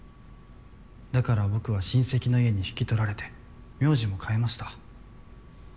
だから僕は親戚の家に引き取られて苗字も変えました。